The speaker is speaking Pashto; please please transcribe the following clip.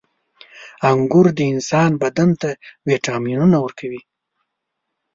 • انګور د انسان بدن ته ویټامینونه ورکوي.